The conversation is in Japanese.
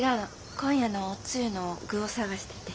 今夜のおつゆの具を探してて。